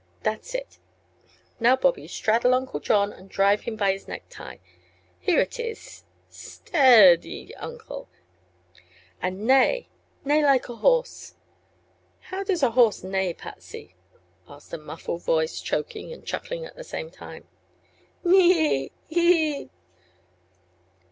That's it Now, Bobby, straddle Uncle John and drive him by his necktie here it is. S t e a d y, Uncle; and neigh neigh like a horse!" "How does a horse neigh, Patsy?" asked a muffled voice, choking and chuckling at the same time. "'Nee, hee hee hee; hee!'"